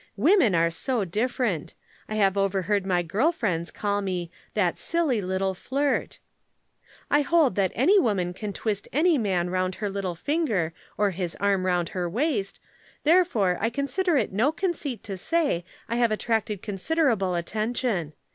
Women are so different. I have overheard my girl friends call me 'that silly little flirt.' "I hold that any woman can twist any man round her little finger or his arm round her waist, therefore I consider it no conceit to say I have attracted considerable attention.